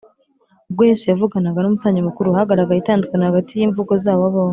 ubwo yesu yavuganaga n’umutambyi mukuru, hagaragaye itandukaniro hagati y’imvugo zabo bombi